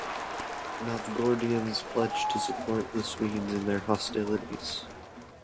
Novgorodians pledged to support the Swedes in their hostilities.